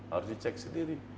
harus dicek sendiri